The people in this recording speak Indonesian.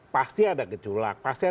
pasti ada gejolak